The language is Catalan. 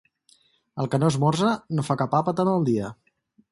El que no esmorza no fa cap àpat en el dia.